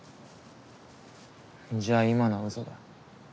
じゃあ今のはうそだ。